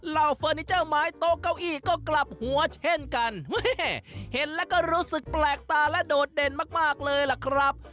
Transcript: เฟอร์นิเจอร์ไม้โต๊ะเก้าอี้ก็กลับหัวเช่นกันเห็นแล้วก็รู้สึกแปลกตาและโดดเด่นมากเลยล่ะครับ